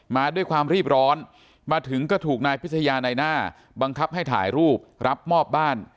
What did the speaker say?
มาด้วยความรีบร้อนมาถึงก็ถูกนายพิทยาในหน้าบังคับให้ถ่ายรูปรับมอบบ้าน